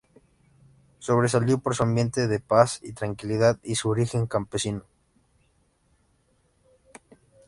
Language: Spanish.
Sobresalió por su ambiente de paz y tranquilidad, y su origen campesino.